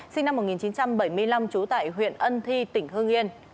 sinh năm một nghìn chín trăm bảy mươi năm trú tại huyện ân thi tỉnh hương yên